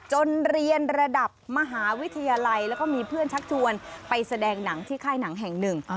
เรียนระดับมหาวิทยาลัยแล้วก็มีเพื่อนชักชวนไปแสดงหนังที่ค่ายหนังแห่งหนึ่ง